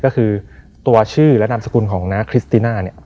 ก็คือตัวชื่อและนามสกุลของน้าคริสติน่าเนี่ย